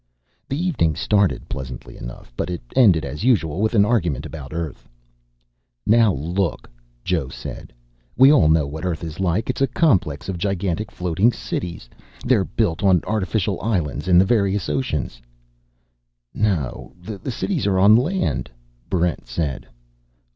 The evening started pleasantly enough; but it ended, as usual, with an argument about Earth. "Now look," Joe said, "we all know what Earth is like. It's a complex of gigantic floating cities. They're built on artificial islands in the various oceans " "No, the cities are on land," Barrent said.